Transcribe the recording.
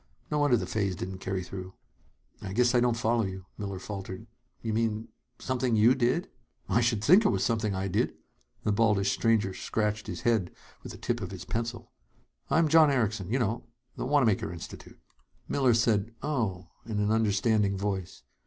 No wonder the phase didn't carry through!" "I guess I don't follow you," Miller faltered. "You mean something you did " "I should think it was something I did!" The baldish stranger scratched his head with the tip of his pencil. "I'm John Erickson you know, the Wanamaker Institute." Miller said: "Oh!" in an understanding voice.